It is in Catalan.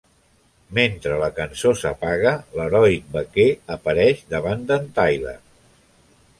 Mentre la cançó s'apaga, l'heroic vaquer apareix davant d'en Tyler.